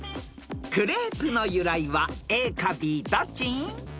［クレープの由来はＡかＢどっち？］